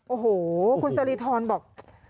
โอ้โหคุณสะลิธรบอก